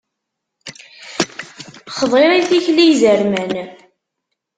Xḍiɣ i tikli izerman.